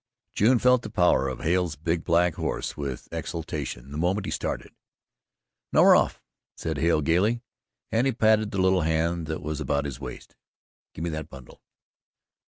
June felt the power of Hale's big black horse with exultation the moment he started. "Now we're off," said Hale gayly, and he patted the little hand that was about his waist. "Give me that bundle."